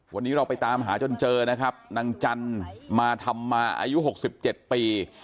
วันนี้เราไปตามหาจนเจอนะครับนางจันทร์มาทำมาอายุหกสิบเจ็ดปี